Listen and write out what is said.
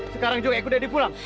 sekarang juga ikut daddy pulang